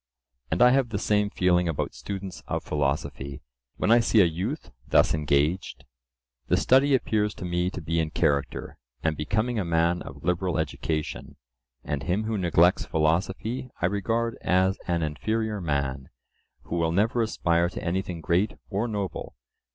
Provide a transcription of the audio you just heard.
And I have the same feeling about students of philosophy; when I see a youth thus engaged,—the study appears to me to be in character, and becoming a man of liberal education, and him who neglects philosophy I regard as an inferior man, who will never aspire to anything great or noble.